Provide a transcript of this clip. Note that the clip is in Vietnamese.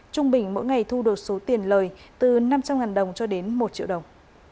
trung bình mỗi ngày thu đột số tiền lời từ năm trăm linh đồng cho đến một triệu đồng